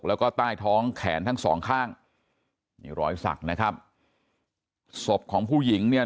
แล้วก็ใต้ท้องแขนทั้งสองข้างนี่รอยสักนะครับศพของผู้หญิงเนี่ย